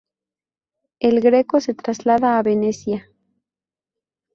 El Greco se traslada a Venecia.